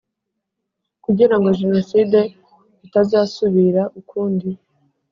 Kugira ngo jenoside itazasubira ukundi